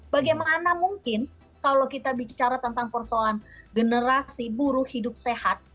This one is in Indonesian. bagaimana mungkin kalau kita bicara tentang persoalan generasi buru hidup sehat